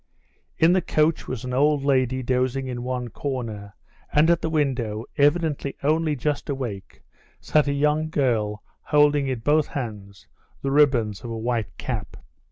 In the coach was an old lady dozing in one corner, and at the window, evidently only just awake, sat a young girl holding in both hands the ribbons of a white cap.